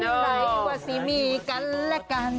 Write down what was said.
ไซเฮวาซีมีกันละกัน